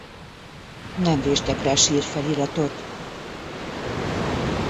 Nem véstek rá sírfeliratot.